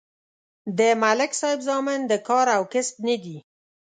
د ملک صاحب زامن د کار او کسب نه دي